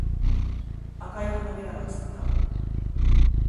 赤い花びらが散った。